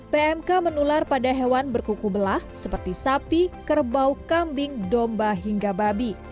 pmk menular pada hewan berkuku belah seperti sapi kerbau kambing domba hingga babi